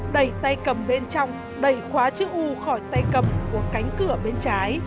đẩy tay cầm bên trong đẩy khóa chữ u khỏi tay cầm của cánh cửa bên trái